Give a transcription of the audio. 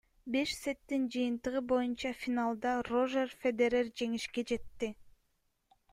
Беш сеттин жыйынтыгы боюнча финалда Рожер Федерер жеңишке жетти.